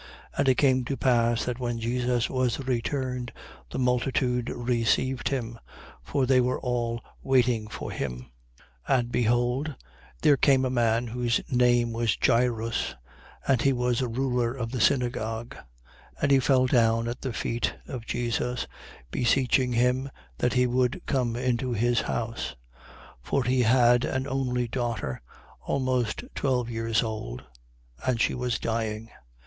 8:40. And it came to pass that when Jesus was returned, the multitude received him: for they were all waiting for him. 8:41. And behold there came a man whose name was Jairus: and he was a ruler of the synagogue. And he fell down at the feet of Jesus, beseeching him that he would come into his house: 8:42. For he had an only daughter, almost twelve years old, and she was dying.